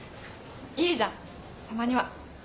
いいじゃんたまには。